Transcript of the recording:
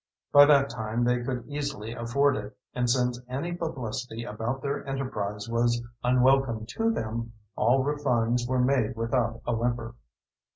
By that time they could easily afford it, and since any publicity about their enterprise was unwelcome to them, all refunds were made without a whimper.